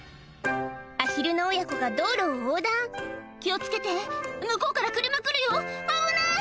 アヒルの親子が道路を横断気を付けて向こうから車来るよ危ない！